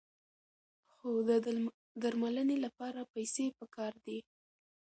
خو د درملنې لپاره پیسې پکار دي.